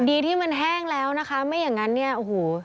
ดีที่มันแห้งแล้วนะคะไม่อย่างนั้นเนี่ยโอ้โห